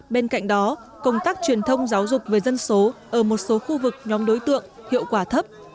bên cạnh đó công tác truyền thông giáo dục về dân số ở một số khu vực nhóm đối tượng hiệu quả thấp